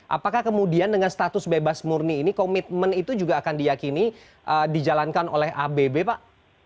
apakah kemudian dengan status bebas murni ini komitmen itu juga akan diyakini dijalankan oleh abb pak